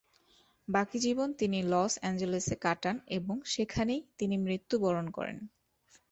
বাকি জীবন তিনি লস অ্যাঞ্জেলেসে কাটান এবং সেখানেই তিনি মৃত্যুবরণ করেন।